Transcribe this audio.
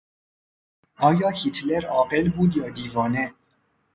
آیا هیتلر عاقل بود یا دیوانه؟